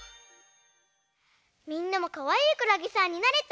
みんなもかわいいくらげさんになれた？